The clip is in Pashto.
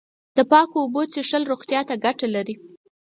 د پاکو اوبو څښل روغتیا ته گټه لري.